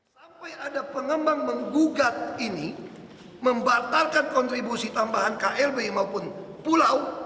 sampai ada pengembang menggugat ini membatalkan kontribusi tambahan klb maupun pulau